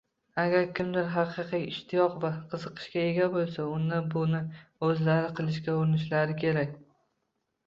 Agar kimdir haqiqiy ishtiyoq va qiziqishga ega boʻlsa, unda buni oʻzlari qilishga urinishlari kerak.